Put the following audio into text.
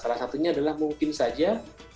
salah satunya adalah mungkin saja